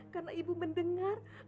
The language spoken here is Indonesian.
karena ibu mendengar